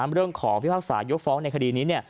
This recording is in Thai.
เรื่องของพิพากษายกฟ้องในคดีนี้